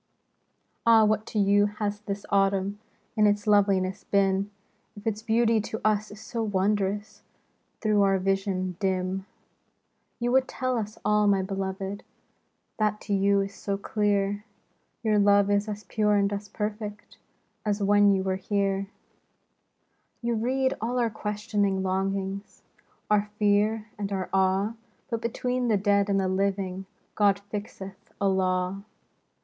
Ah, what to you has this Autumn In its loveliness been. If its beauty to us is so wondrous Through our vision dim ? You would tell us all, my beloved, That to you is so clear ; Your love is as pure and as perfect As when you were here. 127 SINCE SEPTEMBER. You read all our questioning longings, Our fear and our awe : But between the dead and the living, God fixeth a law.